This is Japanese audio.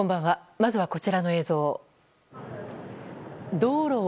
まずはこちらの映像を。